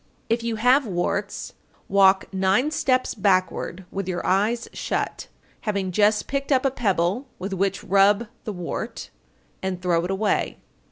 _ 912. If you have warts, walk nine steps backward with your eyes shut, having just picked up a pebble with which rub the wart, and throw it away.